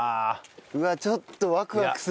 うわっちょっとワクワクする。